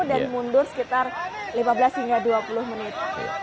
dan mundur sekitar lima belas hingga dua puluh menit